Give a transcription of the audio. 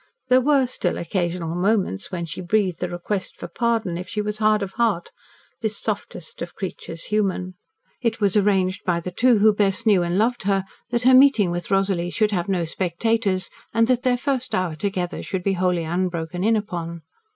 there were still occasional moments when she breathed a request for pardon if she was hard of heart this softest of creatures human. It was arranged by the two who best knew and loved her that her meeting with Rosalie should have no spectators, and that their first hour together should be wholly unbroken in upon.